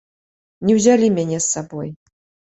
Не ўзялі мяне з сабой.